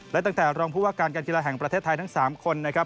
และตั้งแต่รองผู้ว่าการการกีฬาแห่งประเทศไทยทั้ง๓คนนะครับ